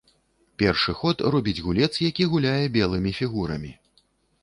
Першы ход робіць гулец, які гуляе белымі фігурамі.